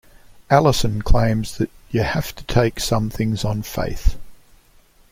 Allison claims that "you have to take some things on faith".